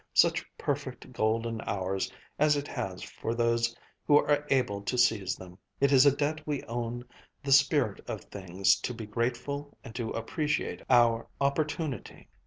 Such perfect, golden hours as it has for those who are able to seize them. It is a debt we own the Spirit of Things to be grateful and to appreciate our opportunity."